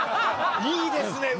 いいですね」